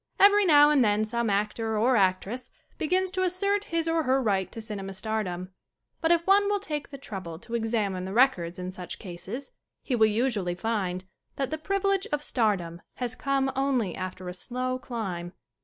Every now and then some actor or actress be gins to assert his or her right to cinema star dom. But if one will take the trouble to ex amine the records in such cases he will usually find that the privilege of stardom has come only after a slow climb.